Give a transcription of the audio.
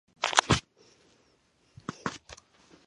安拉斯是奥地利蒂罗尔州利恩茨县的一个市镇。